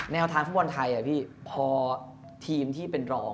แนวทางฟุตบอลไทยพี่พอทีมที่เป็นรอง